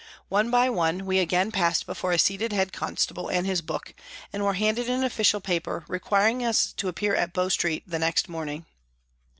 One by one we again passed before a seated head constable and his book, and were handed an official paper requiring us to appear at Bow Street the next morning.